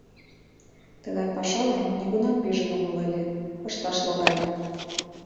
— Тыгай пашалан нигунам пижын омыл ыле — ышташ логале...